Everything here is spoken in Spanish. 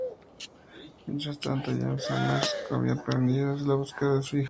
Mientras tanto, John Sommers había emprendido la búsqueda de su hija.